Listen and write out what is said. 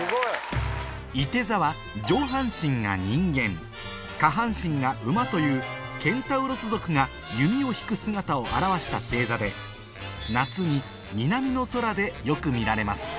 いて座は上半身が人間下半身が馬というケンタウロス族が弓を引く姿を表した星座で夏に南の空でよく見られます